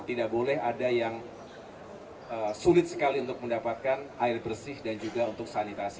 tidak boleh ada yang sulit sekali untuk mendapatkan air bersih dan juga untuk sanitasi